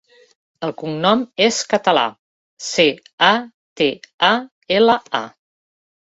El cognom és Catala: ce, a, te, a, ela, a.